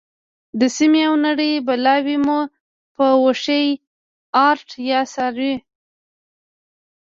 د سیمې او نړۍ بلاوې مو په اوښیártیا څاري.